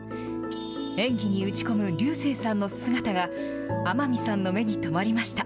演技に打ち込む竜星さんの姿が、天海さんの目にとまりました。